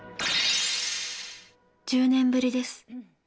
１０年ぶりです。